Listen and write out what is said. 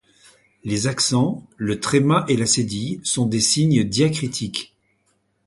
Les accents, le tréma et la cédille sont des signes diacritiques.